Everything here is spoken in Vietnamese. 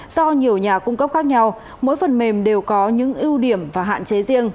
do nhiều nhà cung cấp khác nhau mỗi phần mềm đều có những ưu điểm và hạn chế riêng